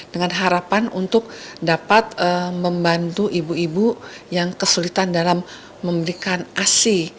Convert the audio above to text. dengan harapan untuk dapat membantu ibu ibu yang kesulitan dalam memberikan asi